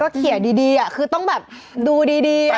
ก็เขียนดีอะคือต้องดูดีอะ